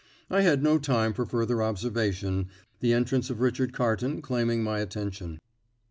I had no time for further observation, the entrance of Richard Carton claiming my attention.